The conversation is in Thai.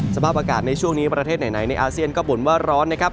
สภาพอากาศในช่วงนี้ประเทศไหนในอาเซียนก็บ่นว่าร้อนนะครับ